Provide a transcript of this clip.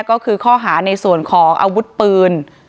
ก็คือข้อหาในส่วนของอาวุธปืน